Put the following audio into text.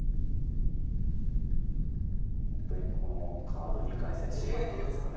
本当にこのカード２回戦でよかったんですかね。